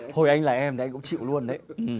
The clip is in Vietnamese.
thôi anh là em thì anh cũng chịu luôn đấy